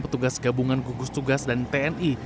petugas gabungan gugus tugas dan tni